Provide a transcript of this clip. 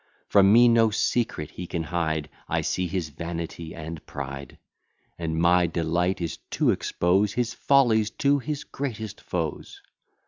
From me no secret he can hide; I see his vanity and pride: And my delight is to expose His follies to his greatest foes.